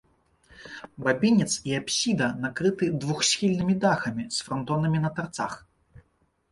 Бабінец і апсіда накрыты двухсхільнымі дахамі з франтонамі на тарцах.